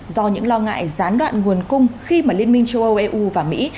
do những lo ngại gián đoạn nguồn cung khi mà liên minh châu âu eu và mỹ